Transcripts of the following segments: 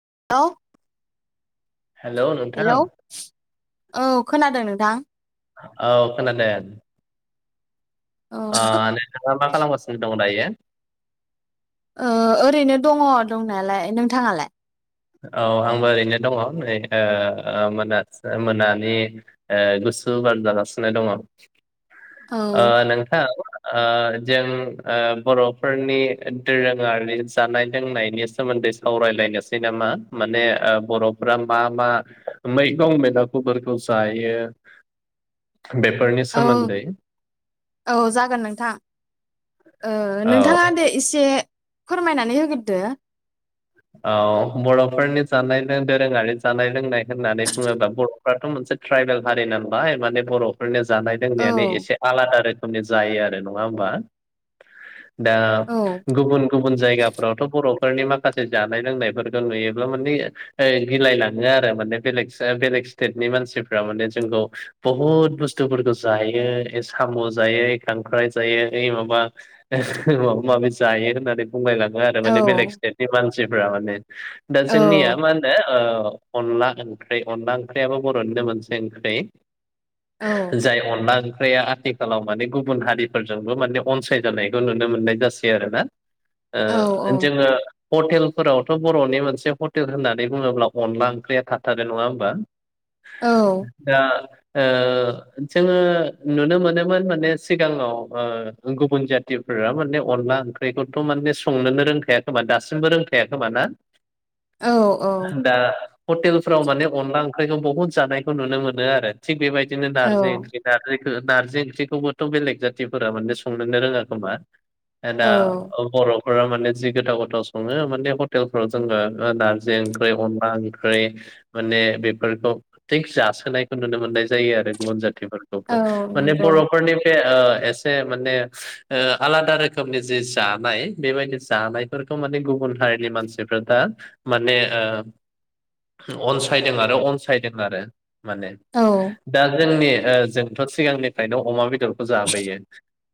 [unintelligible] Hello नोंथां hello औ खोनादों नोंथां? औ खोनादों। औ ओ नोंथाङा मा खालामगासिनो दं दायो? ओ ओरैनो दङ दंनायालाय। नोंथाङालाय? औ आंबो ओरैनो दङ नै ओ ओ मोनास मोनानि ओ [unintelligible] [unintelligible] बार जागासिनो दङ औ ओ नोंथां ओ जों ओ बर'फोरनि दोरोङारि जानाय लोंनायनि सोमोन दै सावरायलायनो सान [unintelligible] माने ओ बर'फ्रा मा मा मैगं [unintelligible] जायो [inaudible] फोरनि औ सोमोन्दै औ जागोन नोंथां ओ औ नोंथाङा दे इसे फोरमायनानै होगोरदो। औ बर'फोरनि जानाय लों दोरोङारि जानाय लोंनाय होननानै बुङोबा बर'फ्राथ' मोनसे ट्राइबेल हारि नालाय माने बर'फोरनि जानाय औ लोंनायानो एसे आलादा रोखोमनि जायो आरो नङा होमबा? दा औ गुबुन-गुबुन जायगाफोरावथ' बर'फोरनि माखा से जानाय लोंनायफोरखौ नुयोब्ला माने ओ गिलाय लाङो आरो माने बेेलेग से स्टेटनि मानसिफ्रा माने जोंखौ बुहुत बुस्थुफोरखौ जायो साम' जायो खांख्राय जायो इ माबा माबा-माबि जायो होननानै बुंलायलाङो आरो औ माने बेलेग स्टेटनि मानसिफ्रा माने। दा औ जोंनिया मा होनो ओ अनला ओंख्रै अनला ओंख्रैयाबो बर'निनो मोनसे ओंख्रै। औ जाय अनला ओं ख्रैया आथिखालाव माने गुबुन हारिफोरजोंबो माने अनसायजानायखौ नुनो मोननाय जासै आरो ना। औ ओ जोङो हटेलफोरावथ' बर'नि मोनसे हटेल होननानै बुङोब्ला अनला ओंख्रिया थाथारो नङा होमबा? औ दा ओ जोङो नुनो मोनोमोन माने सिगाङाव ओ गुबुन जाथि फोरा माने अनला ओंख्रिखौथ' माने संनोनो रोंखाय खोमा दा सिमबो रोंखाया खोमा ना? औ औ दा हटेल फोराव माने अनला ओं ख्रैखौ बहुत जानायखौ नुनो मोनदों आरो थिक बेबायदिनो नारजि ओंख्रि नारजि खो नारजि ओंख्रिखौबोथ' बेलेग जाथिफोरा माने संनोनो रोङा खोमा। [unintelligible] दा औ बर'फोरा माने जि गोथाव-गोथाव सङो माने हटेलफोराव जोङो नारजि ओंख्रि अनला ओंख्रि माने बेफोरखौ थिग जासोनायखौ नुनो मोननाय जायो आरो गुबुन जाथिफोरखौबो। औ माने नंगौ बर'फोरनि बे ओ एसे माने ओ आलादा रोखोमनि जि जानाय बेबायदि जानायफोर खौ माने गुबुन हारिनि मानसिफ्रा दा माने ओ अनसायदों आरो अनसायदों आरो। माने औ दा जोंनि ओ जोंथ' सिगांनिफ्रायनो अमा बे दरखौ जाबोयो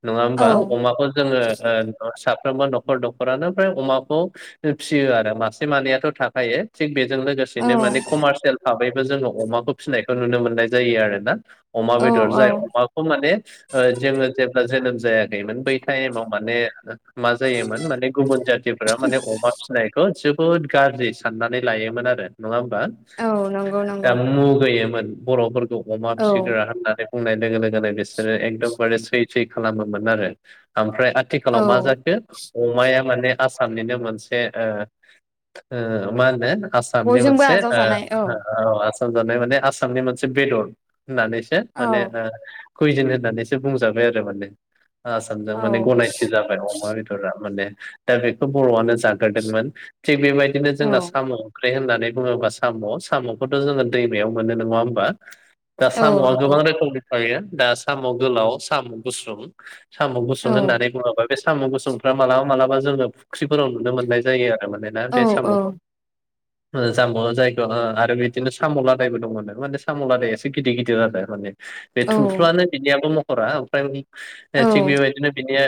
नङा औ होमबा अमाखौ जोङो साफ्रोमबो न'खर न'खरानो फ्राय अमाखौ फिसियो आरो मासे मानैयाथ' थाखायो थिग बे जों औ लोगोसेनो माने कमारसियेल भाबैबो जों अमाखौ फिसिनायखौ नुनो मोननाय जायो आरोना अमा औ बेदर जाय औ अमाखौ माने ओ जोङो जेब्ला जोनोम जायाखैमोन बै टाइम आव माने ओ मा जायोमोन माने गुबुन जाथिफोरा माने अमा फिसिनायखौ जोबोद गाज्रि साननानै लायोमोन आरो नङा हो मबा औ नंगौ नंगौ दा मुगैयोमोन बर'फोरखौ अमा औ फिसिग्रा होननानै बुंनाय लोगो लोगोनो बिसोरो एकदमबारे सै-सै खालामोमोन आरो ओमफ्राय औ आथिखालाव मा जाखो अमाया माने आसामनिनो मोनसे ओ-ओ मा होनो आसामनि बयजोंबो मोनसे आजावजानाय औ ओ-ओ औ आसाम जानाय माने आसामनि मोनसे बेदर होननानैसो औ माने ओ कुइजन होननानैसो बुंजाबाय आरो माने आसामजों औ माने गनायथि जाबाय अमा बेदरा माने दा बेखौ बर'आनो जाग्रोदोंमोन थिग बेबायदिनो जोंना औ साम' ओं ख्रि होननानै बुङोबा साम'-साम'खौथ' जोङो दैमायाव मोनो नङा होमबा। दा औ साम'आ नंगौ गोबां रोखोमनि थायो दा साम' गोलाव साम' गुसुं साम' औ गुसुं होननानै बुङोबा बे साम' गुसुंफ्रा मालाबा मालाबा जोंनो फुख्रिफोराव नुनो मोननाय जायो आरो माने ना औ बे औ साम'खौ [inaudible] ओ जामब' जाय दंङो आरो बिदिनो साम' लादायबो दङ नो माने साम' लादाया एसे गिदिर-गिदिर आरो माने बे औ थुमफ्रुआनो बिनियाबो महरा औ ओमफ्राय थिग बेबायदिनो बिनिया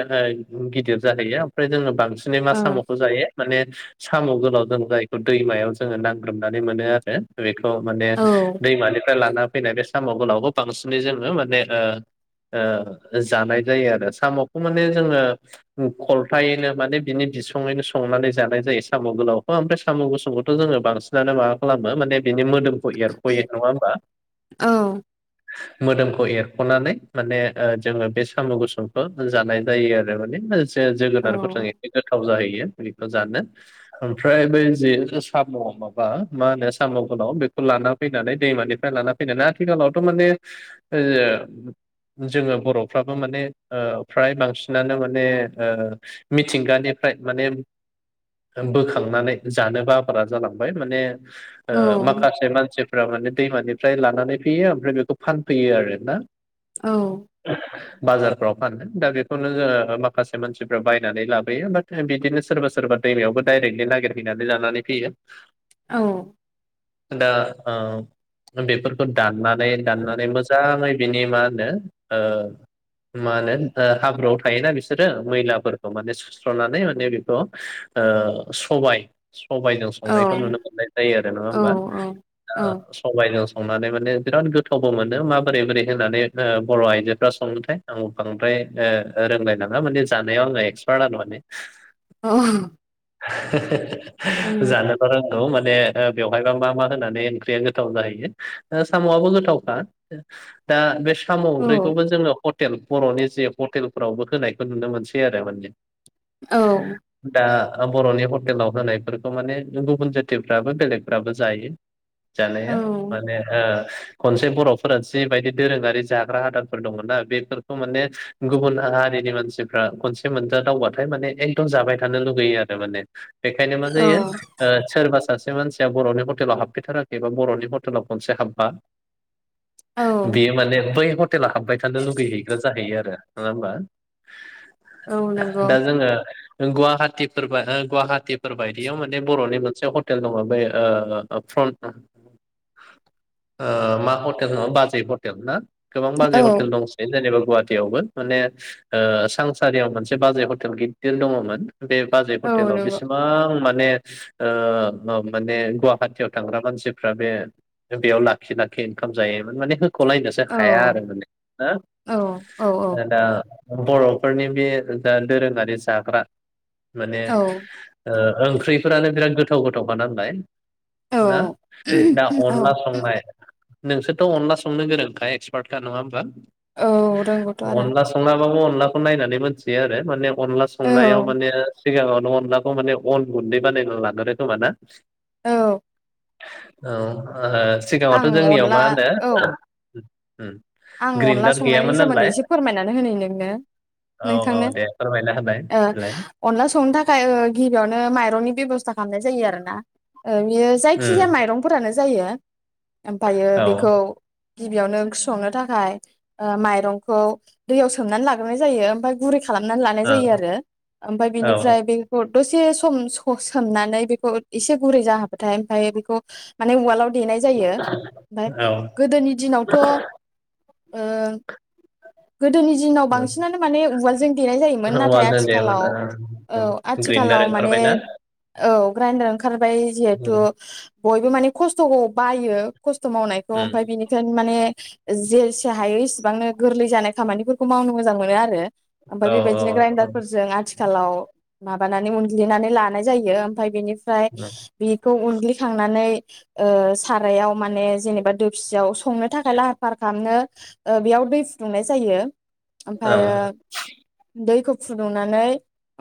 ओ गिदिर जाहैयो ओमफ्राय जोङो बांसिनै मा औ साम'खौ जायो। माने साम' गोलाव जों जायखौ दैमायाव जोङो दांग्रोमनानै मोनो आरो बे खौ माने औ दैमानिफ्राय लाना फैनाय बे साम' गोलावखौ बांसिनै जोङो माने ओ ओ जानाय जायो आरो साम'खौ माने जोङो खलथायैनो माने बिनि बिसङैनो संनानै जानाय जायो साम' गोलावखौ ओमफाय साम' गुसुखौथ' जोङो बांसिनानो माबा खालाम मो माने बिनि मोदोमखौ एरख'यो नङा होमबा? औ मोदोमखौ एरख'नानै माने ओ जोङो बे साम' गुसुंखो जानाय जायो आरो माने औ जोगोनारफोरजों एसे गोथाव जाहैयो बेखौ जानो ओमफ्राय बै जि साम' माबा मा होनो साम' गोलाव बेखौ लाना फैनानै दैमानिफ्राय लाना फैनानै आथिखालावथ' माने ओ जोङो बर'फ्राबो माने ओ फ्राय बांसिनानो माने ओ मिथिंगानिफ्राय माने बोखांनानै जानो बाग्रा जालांबाय माने ओ माखासे मानसि फोरा‌ माने दैमानिफ्राय लानानै फैयो ओमफ्राय बेखौ फानफैयो आरो ना। औ। बाजारफ्राव फानो दा बेखौनो जोङो माखासे मानसिफ्रा बाय नानै लाबोयो बा बिदिनो सोरबा सोरबा दैमायावबो डाइरेक्टलि नागिरहैनानै लानानै फैयो। औ। दा ओ बेफोरखौ दाननानै दाननानै मोजाङै बिनि मा होनो ओ मा होनो हाब्रुआव थायोना बिसोरो मैलाफोर माने सुस्र'नानै माने बेखौ ओ सबाय सबाइजों संनायखौ नुनो मोननाय जायो आरो नङा होमबा सबाइजों संनानै माने बिराद गोथावबो मोनो मा बोरै बोरै होनानै ओ बर' आइजोफ्रा संङोथाय आं बांद्राय ओ रोंलाय लाङा माने जानायाव आङो एक्सपार्ट आरो माने अह। [unintelligible] जानो बा रों गौ माने बेवहायबा मा मा होनानै ओंख्रिया गोथाव जाहैयो साम'आबो गोथावखा। दा बे साम' ओंख्रिखौबो जोङो हटेल बर'नि जे हटेलफोरावबो होनायखौ नुनो मोनसै आरो माने औ। ओ बर'नि हटेलाव होनायफोरखौ माने गुबुन जाथिफ्राबो बेलेगफ्राबो जायो। जानाया औ माने ओ खनसे बर'फोरा जिबायदि दोरोङारि जाग्रा आदारफोर दंङ'ना बेफोरखौ माने गुबुन हा रिनि मानसिफ्रा खनसे मोन दावबाथाय माने एकदम जाबाय थानो लुुबैयो आरो माने बेखायनो मा इयो औ ओ सोरबा सासे से मानसिया बर'नि हटेलाव हाबफैथाराखै बा बर'नि हटेलाव खनसे हाबबा औ बेयो माने बै ह' हटेला हाबबाय थानो लुगैहैग्रा जाहैयो आरो नङा होमबा? औ नंगौ दा जोङो गुवाहाटिफोर गुवाहाटिफोर बायदियाव माने बर'नि मोनसे हटेल दङ बे ओ [unintelligible] [inaudible] ओ मा हटेल होनो बाजै हटेल ना? गोबां औ बाजै हटेल दंसै जेनेबा गुवाहाटियावबो माने ओ सांसारियाव मोनस बाजै हटेल गिदिर दङ'मोन बे बाजै औ हटेलाव नंगौ बेसेबां मा ने ओ माने गुवाहाटियाव थांग्रा मानसिफ्रा बे बेयाव लाखि लाखि ओंखाम जायोमोन माने होख'लायनोसो औ हाया आरो माने दा औ औ ओ‌ दा बर'फोरनि बे जा दोरोङारि जाग्रा माने ओ ओंख्रिफोरानो बिराद गोथाव गोथाव खा नालाय। औ ना दा अनला संनाय नोंसोरथ' अनला संनो गोरोंखा एक्सपार्टखा नङा होमबा? औ रोंगौथ' आरो अनला संनांगोमोन। अनलाखौ नायनानै मोनथियो आरो माने अनला संनायाव माने सिगाङावनो अनलाखौ माने अन गुन्दै बानायना लागोरो खोमा ना? औ। औ ओ आं सिगाङावथ' जोंनियाव मा अनला होनो औ उम आं अनला ग्रिन्दार संनायनि गैयामोन सोमोन्दै नालाय एसे फोरमायनानै होनो नोंनो औ औ नोंथांनो दे फोरमायनो ओ अनला संनो थाखाय ओ गिबियावनो माइरंनि बेब'स्था खालामनाय जायो आरोना। ओ बेयो जायखिजाया उम माइरंफोरानो जायो ओमफायो औ बेखौ ओ गिबियावनो संनो थाखाय ओ माइरंखौ दैयाव सोमनानै लाग्रोनाय जायो ओमफाय गुरै खालामनानै लानाय औ जायो आरो ओमफाय बिनिफ्राय औ बेखौ दसे सम स सोमनानै बेखौ एसे गुरै जाहोबाथाय ओमफाय बेखौ माने उवालाव देनाय जायो ओमफाय गोदोनि दिनावथ' ओ गोदोनि दिनाव बांसिनानो माने उवालजों देनाय जायोमोन नाथाय औवाजों आथिखालाव औ आथिखालाव माने ओंखारबाय ना। औ ग्राइन्डार ओंखारबाय जिहेथु बयबो माने खस्थ'खौ बायो। खस्थ' मावनायखौ उम ओमफाय बिनिखायनो माने जेसे हायो इसेबांनो गोरलै जानाय खामानिफोरखौ मावनो मोजां मानो आरो औ ओमफाय औ बेबायदिनो औ ग्रेनेडजों आथिख खालाव माबानानै उनग्लिनानै लानाय जायो ओमफाय बेनिफ्राय उम बेखौ उन ग्लिखांनानै ओ सारायाव माने जेनेबा दोफसियाव संनो थाखाय लाहार फाहार खालामनो ओ बेयाव दै फुदुंनाय जायो औ ओमफाययो दैखौ फुदुंनानै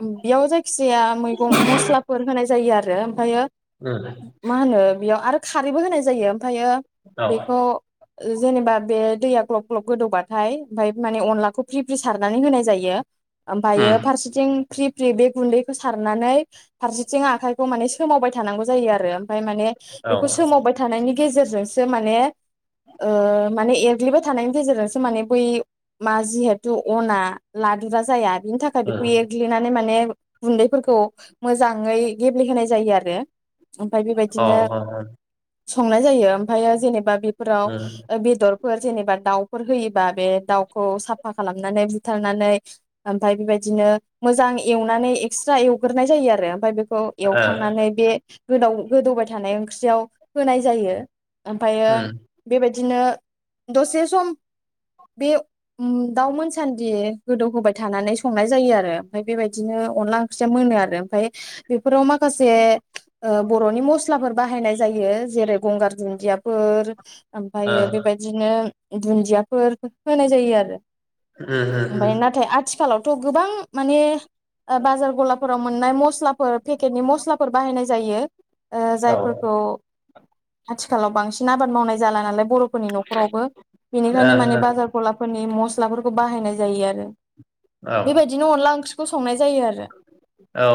बेयाव जायखि जाया मैगं मस्लाफोर होनाय जायो आरो ओमफायो उम मा होनो बेयाव आरो खारैबो होनाय जायो ओमफायो औ बेखौ ओ जेनेबा बे दैया ग्लब ग्लब गोदौबा ओमफाय ओमफाय माने अनलाखौ फ्रि फ्रि सारनानै होनाय जायो ओमफायो उम फारसेथिं फ्रि फ्रि बे गुन्दैखौ सारनानै फारसेथिं आखाइखौ माने सोमावबाय थानांगौ जायो आरो। ओमाय माने अ बेखौ सोमावबाय थानायनि गेजेरजोंसो माने ओ माने एर ग्लिबाय थानायनि गेजेरजोंसो माने बै मा जिहेथु अना लादुरा जाया। बिनि थाखाय उम ओ बेखौ उम एरग्लिनानै माने गुन्दैफोरखौ मोजाङै गेब्लेहोनाय ओमफाय ओ बेबायदिनो उम संनाय जायो ओमफायो जेनेबा फोराव ओ बेदरफोर जेनेबा दाउ फोर होयोबा बे दाउखौ साफा खालामनानै बुथारनानै ओमफाय बेबायदिनो मोजां एवनानै एक्स्रा एवग्रोननाय जायो आरो ओमफाय बे खौ एवखांनानै बे गोदाव गोदौबाय थानाय ओंख्रियाव होनाय जायो ओमफायो बेबायदिनो दसे सम बे उम दाउ मोनसान्दि गोदौ होबाय थानानै संनाय जायो आरो ओमफाय बेबायदिनो अन ला ओंख्रिया मोनो आरो ओमफाय बेफोराव माखासे ओ बर'नि मस्लाफोर बाहायनाय जायो जेरै गंगार दुन्दियाफोर ओमफायो बेबायदिनो दुन्दियाफोर होनाय जायो आरो उम उम ओमफाय नाथाय आथिखालावथ' गोबां माने ओ बाजार गला फोराव मोननाय मस्लाफोर पेकेटनि मस्लाफोर बाहायनाय जायो ओ जायफोरखौ आथिखालाव बांसिन आबाद मावनाय जाला नालाय बर'फोरनि न'खरावबो बेनि खायनो माने बाजारनि मसफोरखौ बाहायनाय जायो आरो ओ बेबायदिनो अनला ओंख्रि औ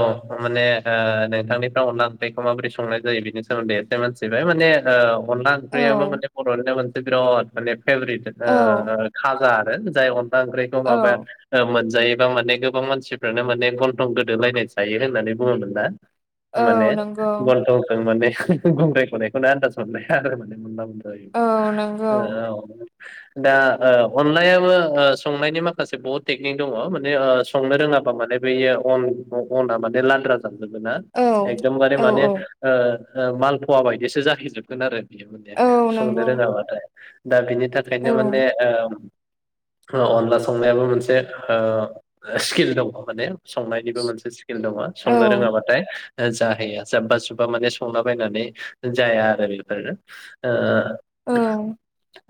माने दा नोंथांनिफ्राय अनला ओंख्रिखौ माबोरै संनाय जायो बिनि सोमोन्दै एसे मोनथिबाय माने ओ अनला ओंख्रियाबो माने बर'निनो मोनसे बिराद माने फेभरिट औ खाजा जाय अनला ओंख्रिखौ औ माबा मोनजायोबा माने गोबां मानसिफोरानो माने गन्थं गोदलायनाय जायो होननानै बुङोमोन ना माने औ नंगौ गन्थंजों माने गुंग्राय खनायखौनो आनन्दास मोनलाया आरो माने मोनबा मोनजायो औ नंगौ ओ दा ओ अनलायाबो ओ संनायनि माखासे बहुद टेकनिक दङ' माने ओ संनो रोङाबा माने बेयो अन अना माने लाद्रा जानमोना औ एकदमबारे औ माने औ ओ माल फवा बायदिसो जाहैजोबगोन आरो बियो माने औ संनो नंगौ रोङाबाथाय दा बिनि औ थाखायनो माने ओ अनला संनायाबो मोनसे स्किल दङ' माने संनायनिबो मोनसे स्किल दङ' औ संनो रोङाबाथाय जाहैया जाब्बा जुब्बा माने संला बायनानै जाया आरो बेफोरो ओ औ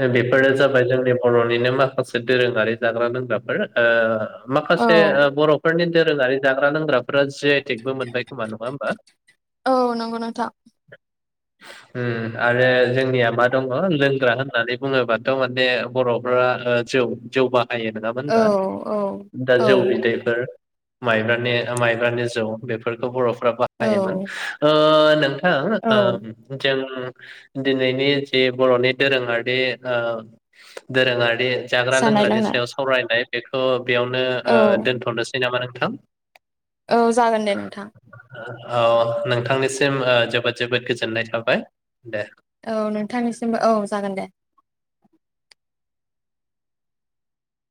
[inaudible] बेफोरो जाबाय जोंनि बर'निनो माखासे दोरोङारि जाग्रा लोंग्राफोर ओ औ माखासे बर'फोरनि दोरोङारि जाग्रा लोंग्रा फोरा जि आइ टेकबो मोनबाय खोमा नङा होमबा? औ नंगौ नोंथां [inaudible] उम आरो जोंनिया मा दङ' लोंग्रा होननानै बुङोबाथ' माने बर'फ्रा जौ जौ बाहायो नङामोन औ होनबा औ दा औ जौ बिदैफोर माइब्रानि माइब्रानि जौ बेफोरखौ बर'फ्रा बाहायोमोन औ ओ नों औ नोंथां जों दिनैनि जि बर'नि दोरोङारि ओ दोरोङारि जाग्रा जानाय लोंग्रानि लोंनाय सायाव सावरायनाय बेखौ बेयावनो औ दोनथ'नोसै नामा नोंथां? औ जागोन दे नोंथां। औ नोंथांनिसिम जोबोद जोबोद गोजोननाय थाबाय दे। औ नोंथांनिसिमबो औ जागोन दे।